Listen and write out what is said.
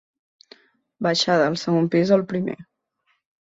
Baixar del segon pis al primer.